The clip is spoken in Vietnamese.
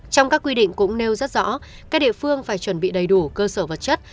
trong các quy định cũng nêu rất rõ các địa phương phải chuẩn bị đầy đủ cơ sở vật chất